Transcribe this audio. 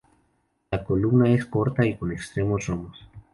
La columna es corta y con extremos romos.